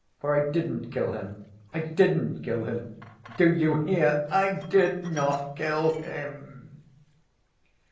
For I didn't kill him, I didn't kill him! Do you hear, I did not kill him."